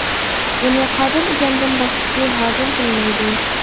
بۇنى قادىر ئىگەمدىن باشقىسى ھازىر بىلمەيدۇ.